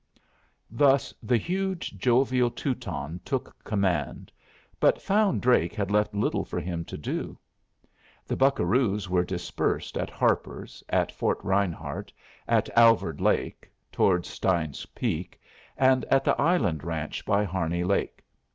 Thus the huge, jovial Teuton took command, but found Drake had left little for him to do. The buccaroos were dispersed at Harper's, at Fort Rinehart, at Alvord Lake, towards Stein's peak, and at the Island Ranch by Harney Lake.